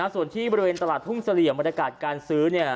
ส่วนที่บริเวณตลาดทุ่งเสลี่ยมบรรยากาศการซื้อ